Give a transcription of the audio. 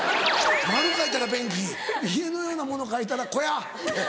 丸描いたら便器家のようなもの描いたら小屋って。